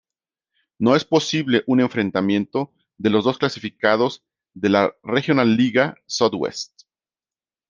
No es posible un enfrentamiento de los dos clasificados de la Regionalliga Südwest.